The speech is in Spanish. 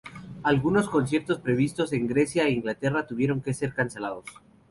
Algunos conciertos previstos en Grecia e Inglaterra tuvieron que ser cancelados.